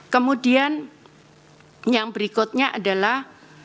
kemudian yang berikutnya adalah